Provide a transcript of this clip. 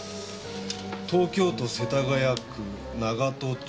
「東京都世田谷区長門町」。